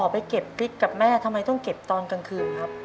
ไปเก็บพริกกับแม่ทำไมต้องเก็บตอนกลางคืนครับ